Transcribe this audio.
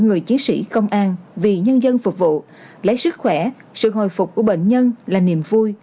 người chiến sĩ công an vì nhân dân phục vụ lấy sức khỏe sự hồi phục của bệnh nhân là niềm vui